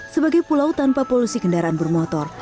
sebagai pulau tanpa polusi kendaraan bermotor